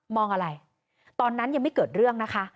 อะไรตอนนั้นยังไม่เกิดเรื่องนะคะ